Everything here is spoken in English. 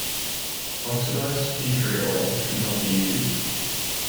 Oxidized tea tree oil should not be used.